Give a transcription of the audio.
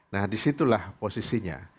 nah disitulah posisinya